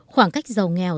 khoảng cách giàu nghèo